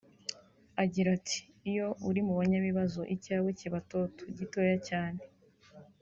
Agira ati « Iyo uri mu banyabibazo icyawe kiba toto (gitoya) cyane